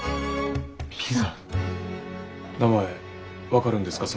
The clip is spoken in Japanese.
名前分かるんですか？